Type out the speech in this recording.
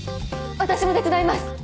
私も手伝います！